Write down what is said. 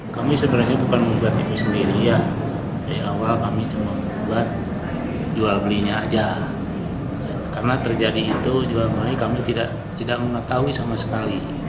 karena terjadi itu jual beli kami tidak mengetahui sama sekali